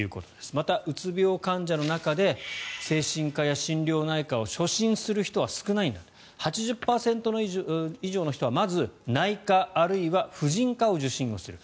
また、うつ病患者のうち精神科や心療内科を初診する人は少ないんだ８０％以上の人はまず内科、あるいは婦人科を受診する。